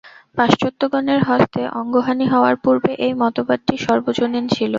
পাশ্চাত্যগণের হস্তে অঙ্গহানি হওয়ার পূর্বে এই মতবাদটি সর্বজনীন ছিল।